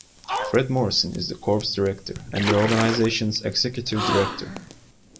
Fred Morrison is the corps director and the organization's Executive Director.